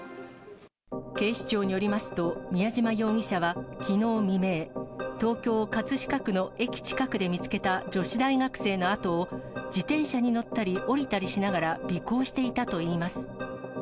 警視庁によりますと、宮嶋容疑者はきのう未明、東京・葛飾区の駅近くで見つけた女子大学生の後を、自転車に乗ったり降りたりしながら尾行していたといいます。